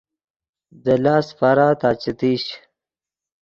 دے لاست فارا تا چے تیش